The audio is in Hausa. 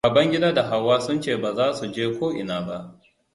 Babangida da Hauwa sun ce baza su je ko ina ba.